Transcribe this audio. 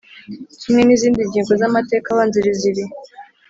kimwe n izindi ngingo z amateka abanziriza iri